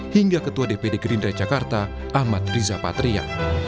hingga ketua dpd gerindra jakarta ahmad riza patria